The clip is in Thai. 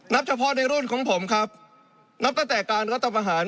นับเฉพาะในรุ่นของผมนับแต่การรัฐธรรม